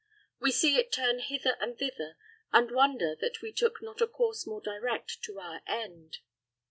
We see it turn hither and thither, and wonder that we took not a course more direct to our end.